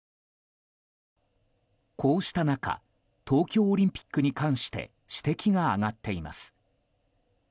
こうした中東京オリンピックに関して指摘が上がっています。